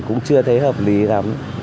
cũng chưa thấy hợp lý lắm